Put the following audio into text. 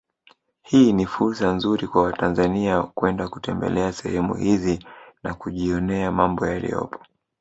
Hii ni fursa nzuri kwa watanzania kwenda kutembelea sehemu hizi na kujionea mambo yaliyopo